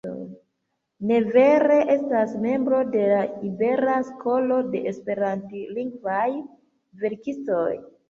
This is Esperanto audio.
Neves estas membro de la Ibera Skolo de Esperantlingvaj verkistoj.